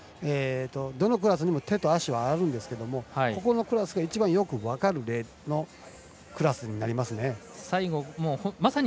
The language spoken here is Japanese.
どのクラスにも手と足はあるんですけれどもこのクラスが一番よく分かるクラスになりますね。